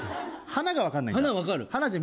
花が分かんない。